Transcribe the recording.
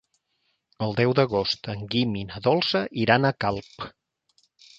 El deu d'agost en Guim i na Dolça iran a Calp.